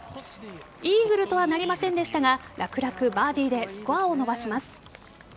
イーグルとはなりませんでしたが楽々バーディーでスコアを伸ばします。